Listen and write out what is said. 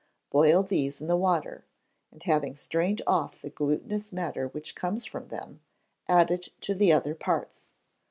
Boil these in the water, and having strained off the glutinous matter which comes from them, add it to the other parts.